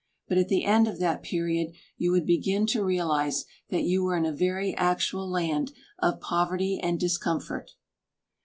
But at the end of that period you would begin to realize that you were in a very actual land of poverty and discomfort.